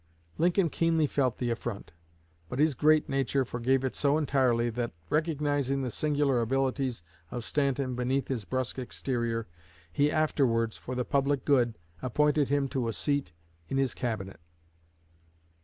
Lincoln keenly felt the affront, but his great nature forgave it so entirely that, recognizing the singular abilities of Stanton beneath his brusque exterior, he afterwards, for the public good, appointed him to a seat in his cabinet.